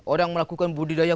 orang melakukan budidaya